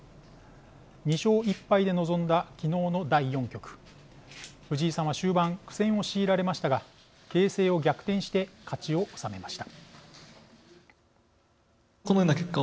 ２勝１敗で臨んだ昨日の第４局藤井さんは終盤苦戦を強いられましたが形勢を逆転して勝ちを収めました。